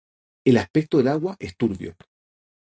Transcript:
el aspecto del agua es turbio,